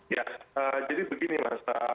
ya jadi begini mas